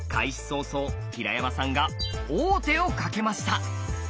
早々平山さんが王手をかけました！